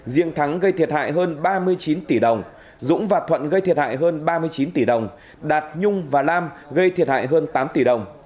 riêng thắng gây thiệt hại hơn ba mươi chín tỷ đồng dũng và thuận gây thiệt hại hơn ba mươi chín tỷ đồng đạt nhung và lam gây thiệt hại hơn tám tỷ đồng